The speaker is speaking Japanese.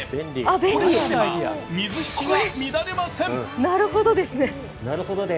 これがあれば水引が乱れません。